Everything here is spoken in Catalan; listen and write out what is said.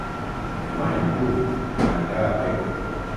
Demà en Bru anirà a Pego.